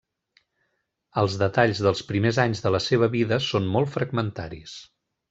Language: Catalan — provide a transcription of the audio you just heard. Els detalls dels primers anys de la seva vida són molt fragmentaris.